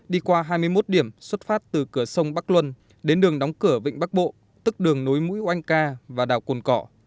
đi qua hai mươi một điểm xuất phát từ cửa sông bắc luân đến đường đóng cửa vịnh bắc bộ tức đường nối mũi oanh ca và đảo cồn cỏ